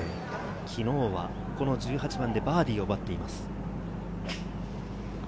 昨日はこの１８番でバーディーを奪っています。